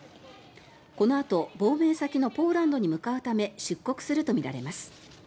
このあと亡命先のポーランドに向かうため出国するとみられます。